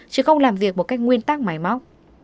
chứ không làm việc một cách nguyên tắc máy móc